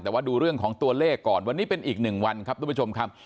แต่ว่าดูเรื่องของตัวเลขก่อนวันนี้เป็นอีกหนึ่งวันครับทุกผู้ชมครับ